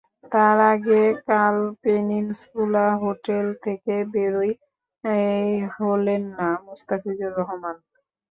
তার আগে কাল পেনিনসুলা হোটেল থেকে বেরই হলেন না মোস্তাফিজুর রহমান।